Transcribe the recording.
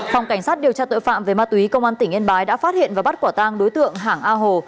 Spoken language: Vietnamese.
phòng cảnh sát điều tra tội phạm về ma túy công an tỉnh yên bái đã phát hiện và bắt quả tang đối tượng hàng a hồ